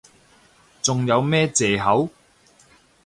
仲有咩藉口？